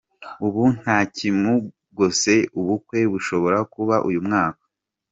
Ubu nta kimugose, ubukwe bushobora kuba uyu mwaka.